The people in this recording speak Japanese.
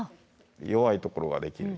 弱いところができる。